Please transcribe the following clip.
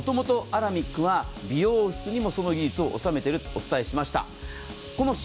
もともとアラミックは美容室にもその技術を納めているとお伝えしました。